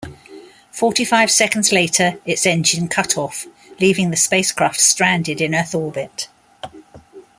Forty-five seconds later, its engine cut off, leaving the spacecraft stranded in Earth orbit.